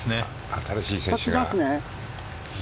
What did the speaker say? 新しい選手が。